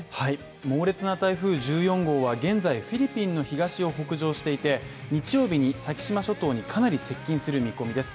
猛烈な台風１４号は現在フィリピンの東を北上していて日曜日に先島諸島にかなり接近する見込みです。